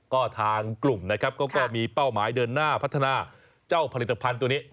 ก็ทางกลุ่มนะครับเขาก็มีเป้าหมายเดินหน้าพัฒนาเจ้าผลิตภัณฑ์ตัวนี้